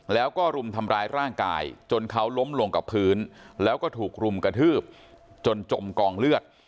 แล้วก็รุมทำร้ายร่างกายจนเขาล้มลงกับพื้นแล้วก็ถูกรุมกระทืบจนจมกองเลือด